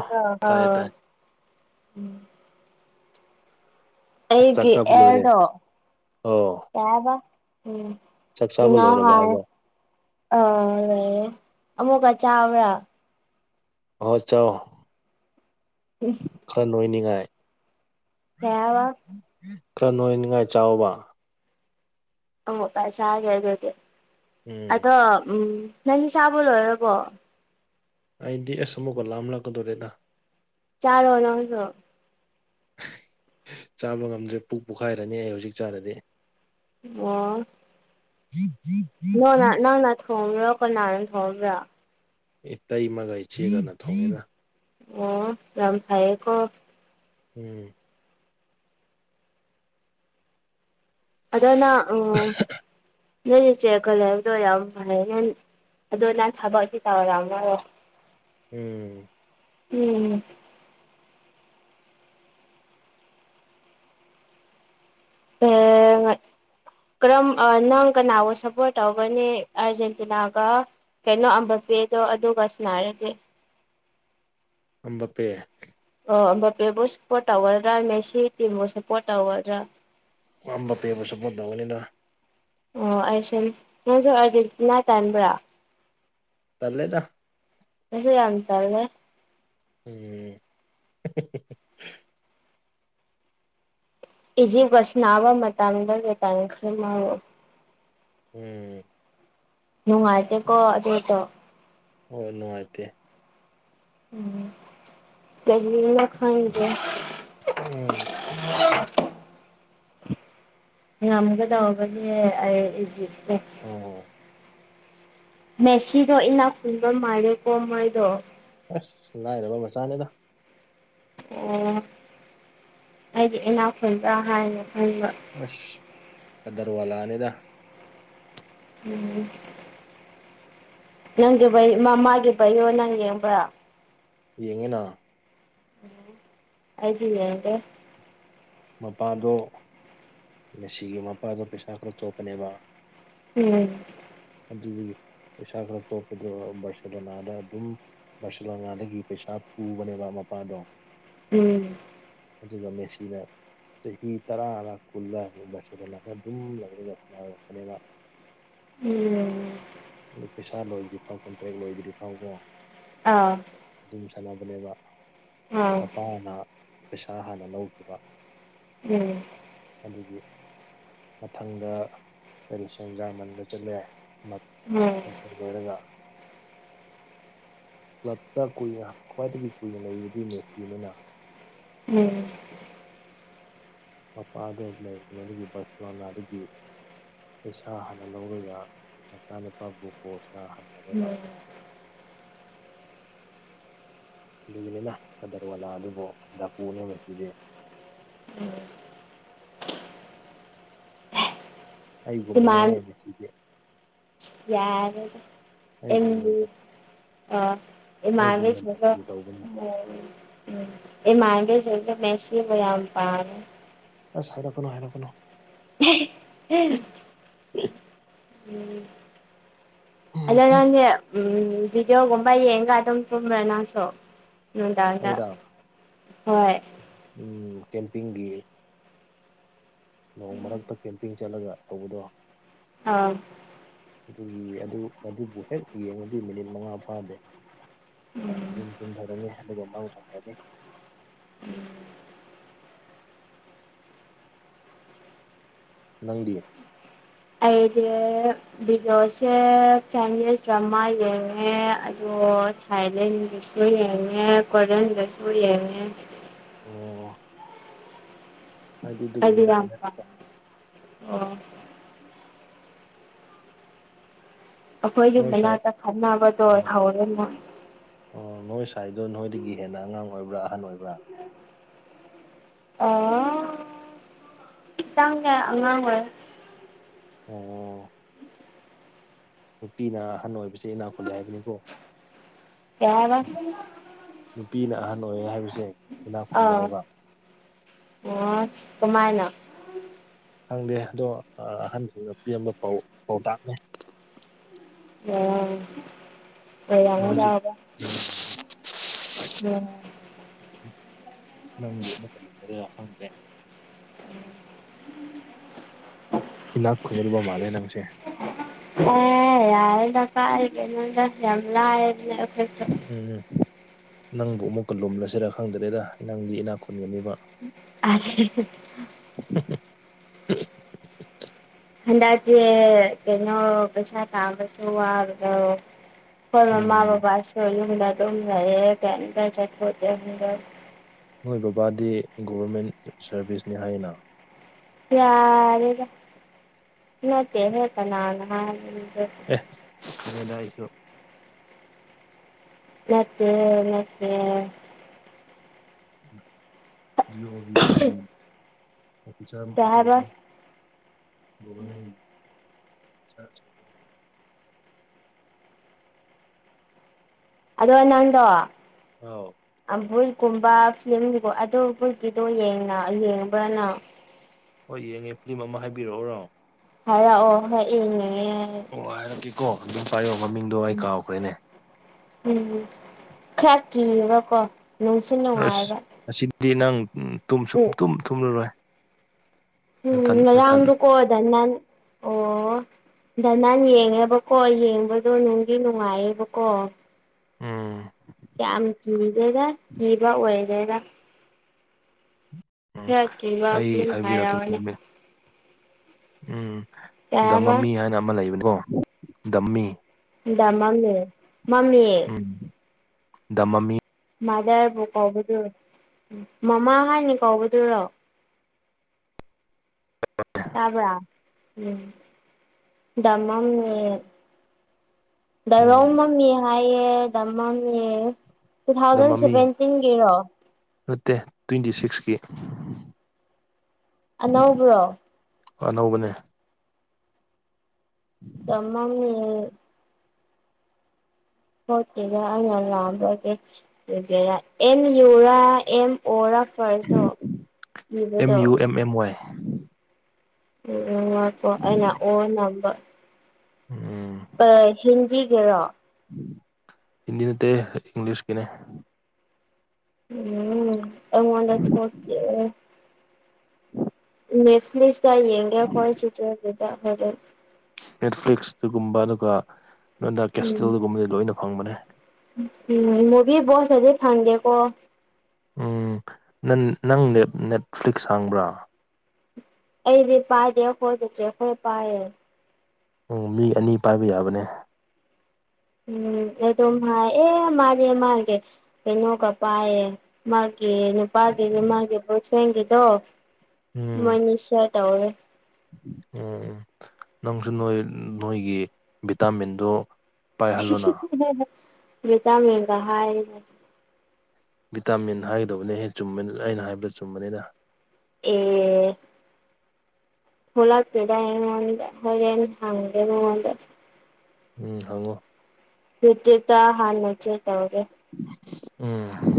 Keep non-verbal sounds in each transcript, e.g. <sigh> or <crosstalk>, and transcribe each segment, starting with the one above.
ꯑ ꯍ ꯇꯥꯏꯌꯦ ꯇꯥꯏ ꯎꯝ ꯆꯥꯛ ꯑꯩꯒꯤ ꯆꯥꯕ ꯑꯦꯔ ꯂꯣꯏꯔꯦ ꯗꯣ ꯑꯣ ꯀꯩ ꯍꯥꯏꯕ ꯎꯝ ꯆꯥꯛ <unintelligible> ꯆꯥꯕ ꯅ ꯂꯣꯏꯔꯕ ꯍꯥꯏ ꯍꯥꯏꯕ ꯑꯥ ꯂꯩꯔꯦ ꯑꯃꯨꯛꯀ ꯆꯥꯕ꯭ꯔꯥ ꯍꯣꯏ ꯆꯥꯎ ꯎꯝ ꯈꯔ ꯅꯣꯏꯅꯤꯡꯉꯥꯏ ꯀꯩ ꯍꯥꯏꯕ ꯈꯔ ꯅꯣꯏꯅꯤꯡꯉꯥꯏ ꯆꯥꯎꯕ ꯑꯃꫭꯠꯄꯥꯥꯏ ꯆꯥꯒꯦ ꯑꯗꯨꯗꯤ ꯎꯝ ꯑꯗꯣ ꯎꯝ ꯅꯪꯗꯤ ꯆꯥꯕ ꯂꯣꯏꯔꯕꯣ ꯑꯩꯗꯤ ꯑꯁ ꯑꯃꯨꯛꯀ ꯂꯥꯝꯂꯛꯀꯗꯣꯔꯦꯗ ꯆꯥꯔꯣ ꯅꯪꯁꯨ <unintelligible> ꯆꯥꯕ ꯉꯝꯗ꯭ꯔꯦ ꯄꯨꯛ ꯄꫭꯈꯥꯏꯔꯅꯤ ꯑꯩ ꯍꯧꯖꯤꯛ ꯆꯥꯔꯗꯤ ꯑꯣ <inaudible> <unintelligible> ꯅꯪꯅ ꯊꯣꯡꯕ꯭ꯔ ꯀꯅꯥꯅ ꯊꯣꯡꯕ꯭ꯔ ꯏꯇꯩꯃꯒ ꯏꯆꯦꯒꯅ ꯊꯣꯡꯉꯦꯗ ꯑꯣ ꯌꯥꯝ ꯐꯩꯌꯦꯀꯣ ꯎꯝ ꯑꯗꯣ ꯅꯪ ꯎꯝ ꯅꯪ ꯏꯆꯦꯈꫭꯏ ꯂꯩꯕꯗꯣ ꯌꯥꯝ ꯐꯩ ꯑꯗꯣ ꯅꯪ ꯊꯕꯛꯇꯤ ꯇꯧꯔꯝꯃꯔꫭꯏ ꯎꯝ ꯎꯝ ꯑꯦ ꯉ ꯀꯔꯝ ꯅꯪ ꯀꯅꯥꯕꯨ ꯁꯞꯄꯣꯔꯠ ꯇꯧꯒꯅꯤ ꯑꯔꯖꯦꯟꯇꯤꯅꯥꯒ ꯀꯩꯅꯣ ꯑꯝꯕꯄꯦꯗꯣ ꯑꯗꯨꯒ ꯁꯥꯟꯅꯔꯗꯤ ꯑꯝꯕꯥꯄꯦ ꯑ ꯑꯝꯕꯥꯄꯦꯕꯨ ꯁꯞꯄꯣꯔꯠ ꯇꯧꯒꯗ꯭ꯔ ꯃꯦꯁꯤ ꯇꯤꯝꯕꯨ ꯁꯞꯄꯣꯔꯠ ꯇꯧꯒꯗ꯭ꯔ ꯑꯝꯕꯥꯄꯦꯕꯨ ꯁꯞꯄꯣꯔꯠ ꯇꯧꯒꯅꯤꯗ ꯑꯣ ꯑꯩꯁꯨꯅꯤ ꯅꯪꯖꯨ ꯑꯔꯖꯦꯟꯇꯤꯅꯥ ꯇꯟꯕ꯭ꯔ ꯇꯜꯂꯦꯗ ꯑꯩꯁꯨ ꯌꯥꯝ ꯇꯜꯂꯦ ꯎꯝ <unintelligible> ꯏꯖꯤꯞꯀ ꯁꯥꯟꯅꯕ ꯃꯇꯝꯗꯒꯤ ꯇꯟꯈ꯭ꯔꯦ ꯃꯥꯕꯨ ꯎꯝ ꯅꯨꯡꯉꯥꯏꯇꯦꯀꯣ ꯑꯗꯨꯗꫭ ꯍꫭꯏ ꯅꯨꯡꯉꯥꯏꯇꯦ ꯎꯝ ꯀꯔꯤꯅꯣ ꯈꯪꯗꯦ ꯎꯝ <inaudible> ꯉꯝꯒꯗꯧꯕꯅꯦ ꯑꯩ ꯏꯖꯤꯞꯇꯣ ꯑꯣ ꯃꯦꯁꯤꯗꯣ ꯏꯅꯥ ꯈꯨꯟꯕ ꯃꯥꯜꯂꯦꯀꯣ ꯃꯥꯏꯗꯣ ꯑꯁ ꯂꯥꯏꯔꯕ ꯃꯆꯥꯅꯦꯗ ꯑꯣ ꯑꯩꯗꯤ ꯏꯅꯥ ꯈꯨꯟꯕ꯭ꯔ ꯍꯥꯏꯅ ꯈꯟꯕ ꯑꯁ ꯀꯗꯔꯋꯥꯂꯥꯅꯦꯗ ꯎꯝ ꯅꯪꯒꯤ <unintelligible> ꯄꯩꯅꫭ ꯅꯪ ꯌꯦꯡꯕ꯭ꯔ ꯌꯦꯡꯉꯦꯅ ꯎꯝ ꯑꯩꯗꯤ ꯌꯦꯡꯗꯦ ꯃꯄꯥꯗꯣ ꯃꯦꯁꯤꯒꯤ ꯃꯄꯥꯗꯣ ꯄꯩꯁꯥ ꯈꯔ ꯆꯣꯞꯄꯅꯦꯕ ꯎꯝ ꯑꯗꯨꯒꯤ ꯄꯩꯁꯥ ꯈꯔ ꯆꯣꯞꯄꯗꯣ ꯕꯔꯁꯦꯂꯣꯅꯥꯗ ꯑꯗꯨꯝ ꯕꯔꯁꯦꯂꯣꯅꯥꯗꯒꯤ ꯄꯩꯁꯥ ꯄꯨꯕꯅꯦꯕ ꯃꯄꯥꯗꯣ ꯎꯝ ꯑꯗꯨꯒ ꯃꯦꯁꯤꯅ ꯆꯍꯤ ꯇꯔꯥꯔ ꯀꯨꯟꯂꯥ ꯕꯔꯁꯦꯂꯣꯅꯥꯗ ꯑꯗꯨꯝ ꯂꯩꯔꯒ ꯅꯥꯔꯛꯄꯅꯦꯕ ꯎꯝ ꯑꯗꯨ ꯄꯩꯁꯥ ꯂꯣꯏꯗ꯭ꯔꯤꯐꯥꯎ ꯀꯟꯇ꯭ꯔꯦꯛ ꯂꯣꯏꯗ꯭ꯔꯤꯐꯥꯎꯀꯣ ꯑꯥ ꯖꯤꯝ ꯁꯥꯟꯅꯕꯅꯦꯕ ꯑꯥ ꯃꯄꯥꯅ ꯄꯩꯁꯥ ꯍꯥꯟꯅ ꯂꯧꯈꯤꯕ ꯎꯝ ꯑꯗꯨꯒꯤ ꯃꯊꯪꯗ ꯀꯔꯤ ꯁꯦꯟꯖꯥꯃꯟꯗ ꯆꯠꯂꯦ ꯃꯛ ꯎꯝ ꯀꯟꯇ꯭ꯔꯦꯛ ꯂꯣꯢꯔꯒ ꯀ꯭ꯂꯞꯇ ꯀꯨꯏꯅ ꯈ꯭ꯋꯥꯏꯗꯒꯤ ꯀꯨꯏꯅ ꯂꯩꯕꯗꯤ ꯃꯦꯁꯤꯅꯦꯅꯥ ꯎꯝ ꯃꯄꯥꯗꯣ ꯃꯦꯁ ꯁꯅꯥꯕꯒꯤ ꯕꯔꯁꯦꯂꯣꯅꯥꯗꯒꯤ ꯄꯩꯁꯥ ꯍꯥꯟꯅ ꯂꯧꯔꯒ ꯃꯆꯥꯅꯨꯄꯥꯕꯨ ꯄꯣꯁ ꯉꯥꯍꯟ <unintelligible> ꯗꯨꯒꯤꯅꯤꯅꯥ ꯀꯗꯔ ꯋꯥꯂꯥꯗꯨꯕꯣ ꯗꯥꯀꯨꯅꯦ ꯃꯦꯁꯤꯗꯤ ꯎꯝ ꯑꯩꯒꯨꯝꯕꯅꯦꯍꯦ ꯃꯦꯁꯤꯗꯤ ꯌꯥꯔꯦꯗꯥ ꯑꯩꯒꯨꯝꯅ ꯑꯦꯟꯚꯤ ꯑ ꯑꯩꯒꯨꯝꯅ ꯏꯃꯥꯅꯕꯤꯁꯤꯡꯗꯣ ꯗꯥꯀꯨ ꯇꯧꯕꯅꯦ ꯎꯝ ꯎꯝ ꯏꯃꯥꯟꯅꯕꯤꯁꯤꯡꯁꯨ ꯃꯦꯁꯤꯕꯨ ꯌꯥꯝ ꯄꯥꯝꯃꯦ ꯑꯁ ꯍꯥꯏꯔꯛꯀꯅꯣ ꯍꯥꯏꯔꯛꯀꯅꯣ <unintelligible> ꯎꯝ ꯑꯗꯣ ꯅꯪꯅꯦ ꯎꯝ ꯚꯤꯗꯤꯑꯣꯒꯨꯝꯕ ꯌꯦꯡꯉꯒ ꯑꯗꯨꯝ ꯇꯨꯝꯕ꯭ꯔꯥ ꯅꯪꯁꯨ ꯅꯨꯡꯗꯥꯡꯗ ꯑꯩꯔꯥ ꯍꯣꯏ ꯎꯝ ꯀꯦꯝꯄꯤꯡꯒꯤ ꯅꯣꯡ ꯃꯔꯛꯇ ꯀꯦꯝꯄꯤꯡ ꯆꯠꯂꯒ ꯇꯧꯕꯗꯣ ꯑꯥ ꯑꯗꯨꯒꯤ ꯑꯗꯨ ꯑꯗꯨꯕꯨ ꯍꯦꯛ ꯌꯦꯡꯉꯗꯤ ꯃꯤꯅꯤꯠ ꯃꯉꯥ ꯐꯥꯗꯦ ꯎꯝ ꯑꯗꯨꯝ ꯇꯨꯝꯊꯒꯅꯤ ꯑꯗꯨꯒ ꯃꯡ ꯐꯪꯒꯅꯤ ꯎꯝ ꯅꯪꯗꯤ ꯑꯩꯗꯤ ꯚꯤꯗꯤꯑꯣꯁꯦ ꯆꯥꯏꯅꯤꯁ ꯗ꯭ꯔꯃꯥ ꯌꯦꯡꯉꯦ ꯑꯗꯨ ꯊꯥꯏꯂꯦꯟꯗꯁꯨ ꯌꯦꯡꯉꯦ ꯀꯣꯔꯤꯌꯟꯗꯁꯨ ꯌꯦꯡꯉꯦ ꯑꯣ ꯍꯥꯏꯗꯤ ꯑꯩꯗꯤ ꯑꯗꯨꯒꯨꯝꯕꯗ ꯌꯥꯝ ꯄꯥꯝ ꯍꯩꯅꯗꯦꯗ <unintelligible> ꯑꯩꯈꯣꯏꯒꯤ ꯅꯣꯏ ꯁꯥꯏ ꯃꯅꯥꯛꯇ ꯈꯠꯅꯕꯗꯣ ꯎꯝ ꯍꯧꯔꯦ ꯅꯥ ꯑꯣ ꯅꯣꯏ ꯁꯥꯏꯗꯣ ꯅꯣꯏꯗꯒꯤ ꯍꯦꯟꯅ ꯑꯉꯥꯡ ꯑꯣꯏꯕ꯭ꯔꯥ ꯑꯍꯟ ꯑꯣꯏꯕ꯭ꯔꯥ ꯑꯥ ꯈꯤꯇꯪ ꯅꯦ ꯑꯉꯥꯡ ꯑꯣꯏ ꯑꯣ ꯅꯨꯄꯤꯅ ꯑꯍꯟ ꯑꯣꯏꯕꯁꯦ ꯏꯅꯥꯛ ꯈꯨꯜꯂꯦ ꯍꯥꯏꯕꯅꯤꯀꯣ ꯀꯩꯍꯥꯏꯕ ꯅꯨꯄꯤꯅ ꯑꯍꯟ ꯑꯣꯏꯌꯦ ꯍꯥꯏꯕꯁꯦ ꯏꯅꯥꯛ ꯑꯥ ꯈꯨꯟꯕꯅꯦꯕ ꯑꯣ ꯀꯃꯥꯏꯅ ꯈꯪꯗꯦ ꯑꯗꯣ ꯑꯍꯟꯁꯗꯨꯗ ꯄꯤꯔꯝꯕ ꯄꯥꯎ ꯄꯥꯎꯇꯥꯛꯅꯦ ꯑꯣ ꯅꯣꯏꯁꯤ <unintelligible> ꯅꯪꯕꯨ <unintelligible> ꯈꯪꯗ꯭ꯔꯦ ꯏꯅꯥꯛ ꯈꯨꯟꯒꯗꯕ ꯃꯥꯜꯂꯦ ꯅꯪꯁꯦ ꯑ‌ꯦ ꯌ‌ꯥꯔ‌ꯦꯗ ꯀꯥꯏꯗ ꯅ‌ꯣꯗꯥ ꯌꯥꯝ ꯂꯥꯏꯕꯅ‌ꯦ ꯎꯝ ꯅꯪꯕꯨ ꯑꯃꯨꯛꯀ ꯂꯨꯝꯂꯁꯤꯔꯥ ꯈꯪꯗ꯭ꯔꯦꯗ ꯅꯪꯗꯤ ꯏꯅꯥꯛ ꯈꯨꯟꯒꯅꯤꯕ <unintelligible> <unintelligible> <inaudible> ꯍꯟꯗꯛꯁꯦ ꯀꯩꯅꯣ ꯄꯩꯁꯥ ꯇꯥꯟꯕꯁꯦ ꯋꯥꯕ꯭ꫪ‌ꯣ ꯑꯩꯈꯣꯏ ꯃꯃꯥ ꯎꯝ ꯕꯕꯥꯁꯦ ꯌꯨꯝꯗ ꯑꯗꯨꯝ ꯂꯩꯑ ꯀꯩꯝꯇ ꯆꯠꯊꯣꯛꯇꯦ <unintelligible> ꯅꯣꯏ ꯕꯕꯥꯗꯤ ꯒꯣꯕꯔꯃꯦꯟ ꯁꯔꯚꯤꯁꯅꯤ ꯍꯥꯏꯅ ꯌꯥꯔꯦꯗ ꯅꯠꯇꯦꯗ ꯀꯅꯥꯅ ꯍꯥꯏꯔꯤꯅꯣꯗ ꯑꯦ ꯈꯪꯉꯦꯗ ꯑꯩꯁꯨ ꯅꯠꯇꯦ ꯅꯠꯇꯦ ꯖꯤ ꯑꯣꯕꯤ <unintelligible> ꯑꯣꯐꯤꯁꯥꯔ ꯀꯩ ꯍꯥꯏꯕ ꯑꯆꯧꯕꯅꯤ ꯒꯣꯕꯔꯃꯦꯟꯒꯤ <unintelligible> ꯑꯗꯣ ꯅꯪꯗꯣ ꯑꯧ ꯑꯝꯕꯨꯝ ꯀꯨꯝꯕ ꯐꯤꯂꯝꯒꯤꯀꯣ ꯑꯗꯣ ꯕꯨꯠꯀꯤꯗꯣ ꯌ‌ꯦꯡꯅ ꯌꯦꯡꯕ꯭ꯔ ꯅꯪ ꯍꯣꯏ ꯌꯦꯡꯉꯦ ꯐꯤꯂꯝ ꯑꯃ ꯍꯥꯏꯕꯤꯔꯛꯎꯔꯣ ꯍꯥꯏꯔꯛꯑꯣ ꯍꯣꯏ ꯌꯦꯡꯅꯤꯡꯉꯦ ꯑꯣ ꯍꯥꯏꯔꯛꯀꯦꯀꯣ ꯑꯗꯨꯝ ꯄꯥꯏꯌꯣ ꯃꯃꯤꯡꯗꯣ ꯑꯩ ꯀꯥꯎꯈ꯭ꯔꯦꯅꯦ ꯎꯝ ꯈꯔ ꯀꯤꯕꯀꯣ ꯅꯨꯡ ꯑꯁ ꯑꯁꯤꯗꯤ ꯅꯪ ꯇꯨꯝꯁꯨ ꯎꯝ ꯁꯨꯛꯇꯨꯝ ꯊꯨꯝꯂꯔꯣꯏ ꯎꯝ ꯉꯔꯥꯡꯗ‌ꯣꯀꯣ ꯗ ꯅꯥꯟ ꯑꯣ ꯗꯅꯥꯟ ꯌꯦꯡꯉꯦꯕꯀꯣ ꯌꯦꯡꯕꯗꯣ ꯅꯨꯡꯗꯤ ꯅꯨꯡꯉꯥꯏꯌꯦꯕꯀꯣ ꯎꯝ ꯌꯥꯝ ꯀꯤꯗꯦꯗꯥ ꯀꯤꯕ ꯑꯣꯏꯗꯦꯗꯥ ꯎꯝ ꯈꯥꯔ ꯀꯤꯕ ꯑꯩ ꯐꯤꯜꯂꯝ ꯍꯥꯏꯔꯛ ꯍꯥꯏꯕꯤꯔꯛꯀꯦ ꯑꯣꯅꯦ ꯃꯃꯤꯡ ꯎꯝ ꯀꯩ ꯗꯥ ꯍꯥꯏꯕ ꯃꯃꯤ ꯍꯥꯏꯅ ꯑꯃ ꯂꯩꯕꯀꯣ ꯗꯝꯃꯤ ꯗꯥ ꯃꯥꯝꯂ‌ꯦ ꯃꯥꯝꯃ‌ꯦ ꯎꯝ ꯗꯥ ꯃꯥꯝꯃꯤ ꯃꯥꯗ꯭ꯔꯕꯨ ꯀꯧꯕꯗꯨꯔꯣ ꯃꯝꯃꯥ ꯍꯥꯏꯅ ꯀꯧꯕꯗꯨꯔꯣ ꯇꯥꯕ꯭ꯔꯥ ꯎꯝ ꯗꯥ ꯃꯝꯃ‌ꯦ ꯎꯝ <unintelligible> ꯍꯥꯏꯌꯦ ꯗꯥ ꯃꯝꯃꯤ ꯇꯨ ꯗ ꯊꯥꯎꯖꯟ ꯃꯃꯤ ꯁꯥꯚꯦꯟꯇꯤꯟꯒꯤꯔꯣ ꯅꯠꯇꯦ ꯇ꯭ꯋꯦꯟꯇꯤ ꯁꯤꯛꯁꯀꯤ ꯑꯅꯧꯕ꯭ꯔꯣ ꯑꯅꯧꯕꯅꯦ ꯗꯥ ꯃꯝꯃ‌ꯦ ꯊ‌ꯣꯛꯇ‍ꯦꯗꯥ ꯑꯩꯅ ꯂꯥꯟꯕ꯭ꯔ ꯀꯩ ꯑꯣꯏꯒ‍ꯦꯔ ꯑꯦꯝ ꯌꯨ ꯔ ꯑꯦꯝ ꯑꯣ ꯔ ꯐ꯭ꯥꯔꯁꯇ‍ꯣ ꯑꯦꯝ ꯏꯕꯗ‌ꯣ ꯌꯨ ꯑꯦꯝ ꯑꯦꯝ ꯋꯥꯏ ꯎꯝ ꯎꯝ ꯉꯥꯏꯈꯣ ꯑꯩꯅ ꯑꯣꯔ ꯅꯝꯕ ꯎꯝ ꯑ ꯍꯤꯟꯗꯤꯒꯤꯔꯣ ꯍꯤꯟꯗꯤ ꯅꯠꯇꯦ ꯏꯪꯂꯤꯁ ꯀꯤꯅꯦ ꯎꯝ ꯑꯩꯉꯣꯟꯗ ꯊꯣꯛꯇꯦ ꯅꯦꯠꯐ꯭ꯂꯤꯛꯁ ꯇ ꯌꯦꯡꯒꯦ ꯑꯈꯣꯏ ꯆꯦꯆꯦꯒꯤꯗ ꯍꯣꯔꯦꯟ ꯅꯦꯠꯐ꯭ꯂꯤꯛꯁꯇꯨꯒꯨꯝꯕ ꯑꯗꯨꯒ ꯅꯣꯟꯗ ꯎꯝ ꯀꯦꯁꯇꯦꯜꯒꯨꯝꯕꯗꯤ ꯂꯣꯏꯅ ꯐꯪꯕꯅꯦ ꯎꯝ ꯃꯨꯚꯤ ꯕꯣꯛꯁ ꯇꯗꯤ ꯐꯪꯗꯦꯀꯣ ꯎꯝ ꯅꯟ ꯅꯪ ꯅꯦꯠ ꯅꯦꯠꯐ꯭ꯂꯤꯛꯁ ꯍꯥꯡꯕ꯭ꯔꯥ ꯑꯩꯗꯤ ꯄꯥꯏꯗꯦ ꯑꯩꯈꯣꯏ ꯆꯦꯆꯦ ꯈꯣꯏ ꯄꯥꯏꯌꯦ ꯎꯝ ꯃꯤ ꯑꯅꯤ ꯄꯥꯏꯕ ꯌꯥꯕꯅꯦ ꯎꯝ ꯑꯦꯗꯣꯝ ꯍꯥꯏ ꯑꯦ ꯃꯥꯗꯤ ꯃꯥꯒꯤ ꯀꯩꯅꯣꯒ ꯄꯥꯏꯌꯦ ꯃꯥꯒꯤ ꯅꯨꯄꯥꯒꯤꯗꯤ ꯃꯥꯒꯤ ꯕꯣꯏ ꯐ꯭ꯔꯦꯟꯒꯤꯗꯣ ꯃꯣꯏꯅꯤ ꯁꯤꯌꯔ ꯇꯧꯔꯦ ꯎꯝ ꯎꯝ ꯅꯪꯁꯨ ꯅꯣꯏ ꯅꯣꯏꯒꯤ ꯚꯤꯇꯥꯃꯤꯟꯗꯣ ꯄꯥꯏꯍꯜꯂꯣꯅ ꯚꯤꯇꯥꯃꯦꯟꯒ ꯍꯥꯏꯌꯦꯅꯦ ꯚꯤꯇꯥꯃꯤꯟ ꯍꯥꯏꯒꯗꯧꯕꯅꯦꯍꯦ ꯆꯨꯝꯕꯅꯤ ꯑꯩꯅ ꯍꯥꯏꯕ ꯆꯨꯝꯕꯅꯤꯅ ꯑꯦ ꯊꯣꯛꯂꯛꯇꯦꯗ ꯑꯩꯉꯣꯟꯗ ꯍꯣꯔꯦꯟ ꯍꯪꯒꯦ ꯃꯥꯉꯣꯟꯗ ꯎꯝ ꯍꯪꯉꯣ ꯌꯨꯇ꯭ꯌꯨꯕ ꯇ ꯍꯥꯟꯅ ꯆꯦꯛ ꯇꯧꯒꯦ ꯎꯝ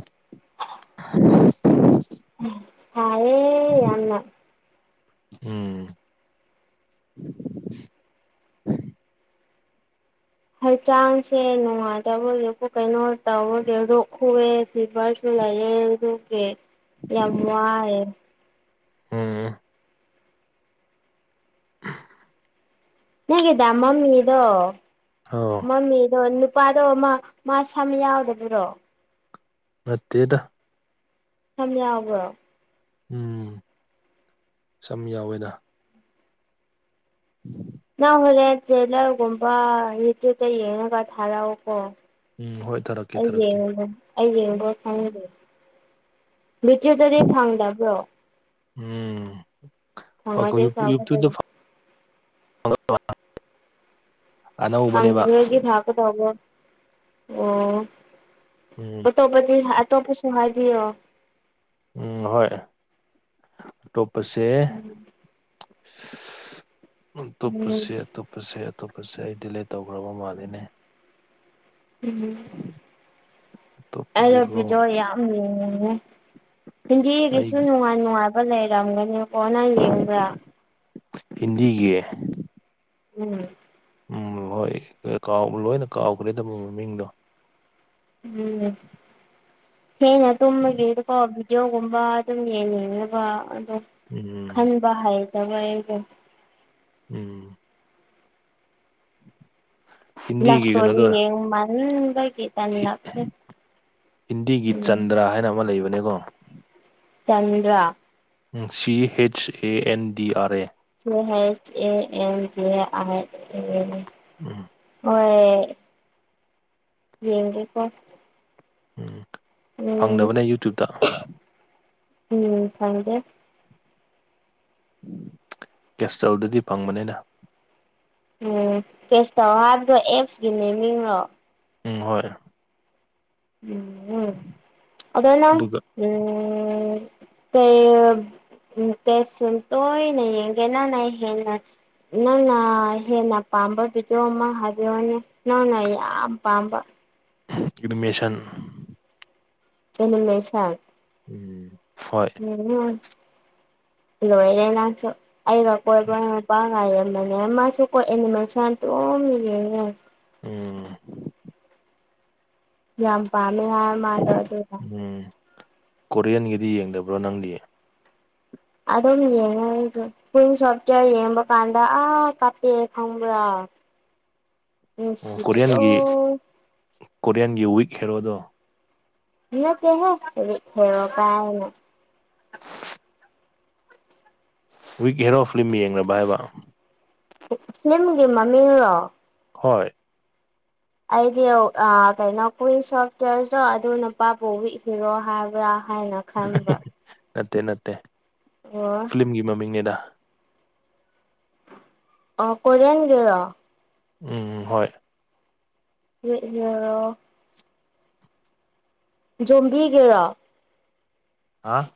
ꯎꯝ ꯁꯥꯏꯌꯦ ꯌꯥꯝꯅ ꯎꯝ ꯍꯩꯆꯥꯡꯁꯦ ꯅꯨꯡꯉꯥꯏꯇꯕꯒꯤ ꯄꯨꯛ ꯀꯩꯅꯣ ꯇꯧꯕꯒꯤ ꯂꯣꯛ ꯈꯨꯋꯦ ꯐꯤꯕ꯭ꯔꯁꯨ ꯂꯩꯌꯦ ꯑꯗꯨꯒꯤ ꯌꯥꯝ ꯋꯥꯏꯌꯦ ꯎꯝ ꯅꯪꯒꯤ ꯗꯥ ꯃꯝꯃꯤ ꯗꯣ ꯑꯥꯎ ꯃꯝꯃꯤꯗꯣ ꯅꯨꯞ ꯄꯥꯗꯣ ꯃꯥ ꯃꯥꯁꯝ ꯌꯥꯎꯗꯕꯔꯣ ꯅꯠꯇꯦꯗ ꯁꯝ ꯌꯥꯎꯕ꯭ꯔꯣ ꯎꯝ ꯁꯝ ꯌꯥꯎꯋꯦꯅ <inaudible> ꯅꯪ ꯍꯣꯔꯦꯟ ꯇ꯭ꯔꯦꯂꯔꯒꯨꯝꯕ ꯌꯨꯇ꯭ꯌꯨꯕꯇ ꯌꯦꯡꯉꯒ ꯊꯥꯔꯛꯎꯀꯣ ꯎꯝ ꯍꯣꯏ ꯊꯥꯔꯛꯀꯦ ꯑꯩ ꯊꯥꯔꯛꯀꯦ ꯌꯦꯡꯉꯨꯕꯅꯦ ꯑꯩ ꯌꯦꯡꯕ ꯈꯪꯗꯦ ꯕꯤꯇ꯭ꯌꯨꯕꯇꯗꯤ ꯐꯪꯗꯕ꯭ꯔꯣ ꯎꯝ ꯐꯪꯉꯗꯤ <unintelligible> ꯌꯨꯇ꯭ꯌꯨꯕ ꯇ ꯐꯒꯗꯕ ꯐꯪ <unintelligible> ꯐꯪꯕꯤꯔꯗꯤ ꯐꯒꯗꯧꯕ ꯑꯣ ꯎꯝ ꯑꯇꯣꯞꯄꯗꯤ ꯑꯇꯣꯞꯄꯁꯨ ꯍꯥꯏꯕꯤꯌꯣ ꯎꯝ ꯍꯣꯏ ꯑꯇꯣꯞꯄꯁꯦ ꯎꯝ ꯎꯝ ꯑꯇꯨꯞꯄꯁꯦ ꯑꯇꯨꯞ ꯄꯁꯦ ꯑꯇꯣꯞꯄꯁꯦ ꯑꯩ ꯗꯤꯂꯦꯠ ꯇꯧꯒ꯭ꯔꯕ ꯃꯥꯜꯂꯦꯅꯦ <unintelligible> ꯑꯩꯗꯣ ꯑꯇꯣꯞꯄꯗꯤꯀꯣ ꯕꯤꯗꯤꯌꫭ ꯌꯥꯝ ꯌꯦꯡꯅꯤꯡꯉꯦ ꯑꯩ ꯍꯤꯟꯗꯤꯒꯤꯁꯨ ꯅꯨꯡꯉꯥꯏ ꯅꯨꯡꯉꯥꯏ ꯕ ꯂꯩꯔꯝꯒꯅꯤꯀꯣ ꯅꯪ ꯌꯦꯡꯕ꯭ꯔ ꯍꯤꯟꯗꯤꯒꯤ ꯎꯝ ꯎꯝ ꯍꯣꯏ ꯂꯣꯏ ꯀꯥꯎ ꯂꯣꯏꯅ ꯀꯥꯎꯒ꯭ꯔꯦꯗ ꯃꯣꯏ ꯃꯃꯤꯡꯗꯣ <unintelligible> ꯊꯦꯡꯅ ꯇꯨꯝꯕꯒꯤꯀꯣ ꯕꯤꯗꯤꯌꫭꯒꯨꯝꯕ ꯑꯗꯨꯝ ꯌꯦꯡꯅꯤꯡꯉꯦꯕ ꯑꯗꯣ ꯎꯝ <unintelligible> ꯍꯩꯇꯕ ꯑꯩꯗꫭ ꯎꯝ <inaudible> ꯂꯞ ꯁ꯭ꯇꯣꯔꯤ ꯀꯩꯅꯣꯗꯣ ꯌꯦꯡꯃꯟꯕꯒꯤ ꯇꯟꯂꯛꯂꯦ ꯍꯤꯟꯗꯤꯒꯤ ꯆꯟꯗ꯭ꯔ ꯍꯥꯏꯅ ꯑꯃ ꯂꯩꯕꯅꯦꯀꯣ Chandra C H A N D R A C H A N D R A ꯎꯝ ꯍꯣꯏ ꯌꯦꯡꯒꯦꯀꯣ ꯎꯝ ꯎꯝ ꯐꯪꯗꯕꯅꯦ ꯌꯨꯇ꯭ꯌꯨꯕꯇ <unintelligible> ꯐꯪꯗꯦ ꯀꯦꯁꯇꯜꯗꯨꯗꯤ ꯐꯪꯕꯅꯤꯗ <unintelligible> ꯀꯦꯁꯇꯜ ꯍꯥꯏꯕꯗꯣ ꯑꯦꯛꯁꯀꯤ ꯃꯤꯃꯤꯡꯔꯣ ꯎꯝ ꯍꯣꯏ <unintelligible> ꯑꯗꯣ ꯅꯪ ꯑꯗꯨꯒ ꯎꯝ ꯀꯩ ꯀꯩ ꯐꯤꯂꯝ ꯇꫭꯏꯅ ꯌꯦꯡꯒꯦ ꯅꯪꯅ ꯍꯦꯟꯅ ꯅꯪꯅ ꯍꯦꯟꯅ ꯄꯥꯝꯕ ꯕꯤꯗꯤꯌꫭ ꯑꯃ ꯍꯥꯏꯕꯤꯌꯣꯅꯦ ꯅꯪꯅ ꯌꯥꯝ ꯄꯥꯝꯕ ꯑꯦꯅꯤꯃꯦꯁꯟ ꯑꯦꯅꯤꯃꯦꯁꯟ ꯎꯝ ꯍꯣꯏ <unintelligible> ꯂꯣꯏꯔꯦ ꯅꯪꯁꯨ ꯑꯩꯒ ꯀꯣꯏꯕ ꯅꯨꯄꯥ <unintelligible> ꯃꯥꯁꯨ ꯀꯣ ꯑꯦꯅꯤꯃꯦꯁꯟ ꯑꯗꯨꯝ ꯌꯦꯡꯉꯦ ꯎꯝ ꯌꯥꯝ ꯄꯥꯝꯃꯦ ꯍꯥꯏꯌꯦ ꯃꯥꯗꯣ ꯑꯗꯨꯗꯣ <unintelligible> ꯀꯣꯔꯤꯌꯥꯟꯒꯤꯗꯤ ꯌꯦꯡꯗꯕ꯭ꯔꯣ ꯅꯪꯗꯤ ꯑꯗꯨꯝ ꯌꯦꯡꯉꯦ ꯑꯩꯖꯨ ꯄꯨꯟ ꯁꯣꯞꯇꯔ ꯌꯦꯡꯕ ꯀꯥꯟꯗ ꯑꯥ ꯀꯞꯄꯦ ꯈꯪꯕ꯭ꯔ ꯅꯨꯡꯁꯤꯕꯗꯣ ꯀꯣꯔꯤꯌꯥꯟꯒꯤ ꯋꯤꯛ ꯍꯦꯔꯣꯗꯣ ꯅꯇꯦꯍꯦ ꯋꯤꯛ ꯍꯦꯔꯣ ꯀꯥꯏꯅ ꯋꯤꯛ ꯍꯦꯔꯣ ꯐꯤꯂꯝ ꯌꯦꯡꯂꯕ ꯍꯥꯏꯕ ꯐꯤꯂꯝꯒꯤ ꯃꯃꯤꯡꯔꯣ ꯍꯣꯏ ꯑꯩꯗꯤ ꯑꯥ ꯀꯩꯅꯣ <inaudible> ꯍꯛꯇ꯭ꯔꯗꯣ ꯑꯗꯨ ꯅꯨꯄꯥꯕꯨꯨ ꯋꯤꯛ ꯍꯦꯔꯣ ꯍꯥꯏꯕ꯭ꯔꯥ ꯍꯥꯏꯅ ꯈꯟꯕ ꯅꯠꯇꯦ ꯅꯠꯇꯦ ꯑꯣ ꯐꯤꯂꯤꯝꯒꯤ ꯃꯃꯤꯡꯅꯦꯗ ꯑꯣ ꯀꯣꯏꯔꯤꯌꯟꯒꯤꯔꯣ ꯎꯝ ꯍꯣꯏ <unintelligible> ꯖꯣꯝꯕꯤꯒꯤꯔꯣ ꯍꯥꯥ